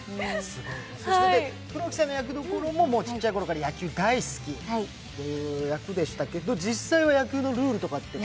黒木さんの役どころもちっちゃい頃から野球大好きという役ですが、実際は野球のルールとか？